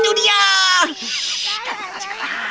shhh keras keras